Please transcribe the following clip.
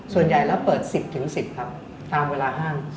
ส่วนใหญ่แล้วเปิด๑๐๑๐ครับตามเวลาห้าง